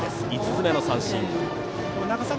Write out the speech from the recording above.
５つ目の三振です。